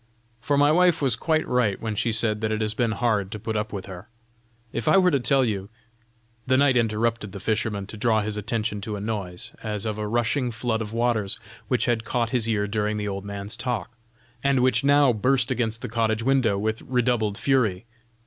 For my wife was quite right when she said that it has been hard to put up with her. If I were to tell you" The knight interrupted the fisherman to draw his attention to a noise, as of a rushing flood of waters, which had caught his ear during the old man's talk, and which now burst against the cottage window with redoubled fury.